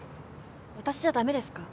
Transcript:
私じゃ駄目ですか？